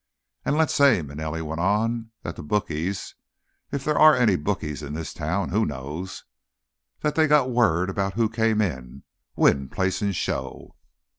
"And let's say," Manelli went on, "that the bookies—if there are any bookies in this town; who knows?—that they got the word about who came in, win, place and show."